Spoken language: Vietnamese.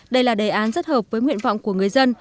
đây là đề án rất hợp với nguyện vọng của người dân